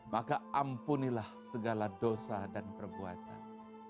maka ampunilah segala dosa dan perbuatan